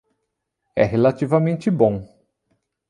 É relativamente bom.